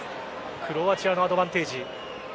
クロアチアのアドバンテージ。